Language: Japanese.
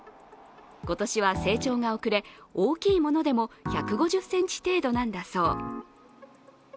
今年は成長が遅れ大きいものでも１５０ｃｍ程度なんだそう。